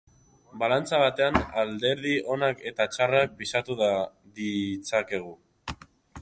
Balantza batean alderdi onak eta txarrak pisatu ditzakegu.